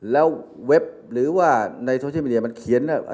แล้วเว็บหรือว่าในโซเชียงประเทศเปรียบมันเขียนนะ